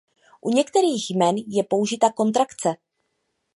U některých jmen je použita kontrakce.